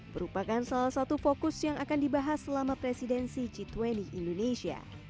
merupakan salah satu fokus yang akan dibahas selama presidensi g dua puluh indonesia